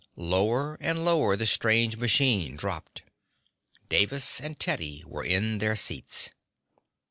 Lower and lower the strange machine dropped. Davis and Teddy were in their seats.